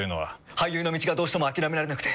俳優の道がどうしても諦められなくて。